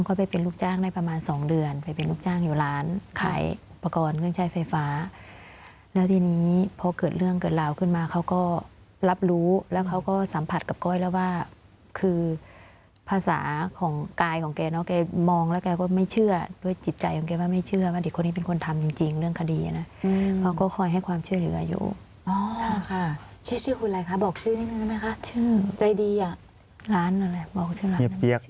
ก็เป็นลูกจ้างได้ประมาณสองเดือนไปเป็นลูกจ้างอยู่ร้านขายอุปกรณ์เครื่องใช้ไฟฟ้าแล้วทีนี้พอเกิดเรื่องเกิดราวขึ้นมาเขาก็รับรู้แล้วเขาก็สัมผัสกับก้อยแล้วว่าคือภาษาของกายของแกเนอะแกมองแล้วแกก็ไม่เชื่อด้วยจิตใจของแกว่าไม่เชื่อว่าเด็กคนนี้เป็นคนทำจริงเรื่องคดีนะเขาก็คอยให้ความช่วยเหลืออย